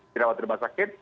dirawat rumah sakit